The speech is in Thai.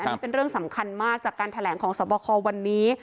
อันนี้เป็นเรื่องสำคัญมากจากการแถลงของสวบคอวันนี้